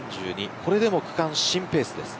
これでも区間新ペースです。